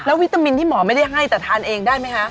วิตามินที่หมอไม่ได้ให้แต่ทานเองได้ไหมคะ